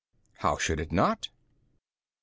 B. How should it not? A.